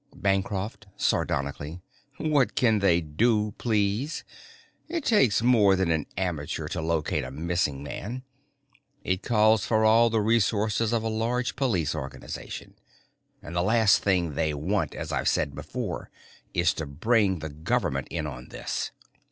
Bancroft, sardonically: "What can they do, please? It takes more than an amateur to locate a missing man. It calls for all the resources of a large police organization. And the last thing they want, as I've said before, is to bring the government in on this."